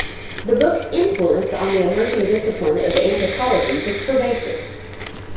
The book's influence on the emerging discipline of anthropology was pervasive.